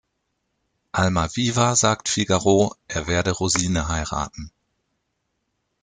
Almaviva sagt Figaro, er werde Rosine heiraten.